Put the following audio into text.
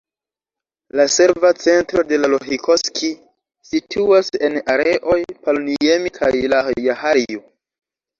La serva centro de Lohikoski situas en areoj Paloniemi kaj Lahjaharju.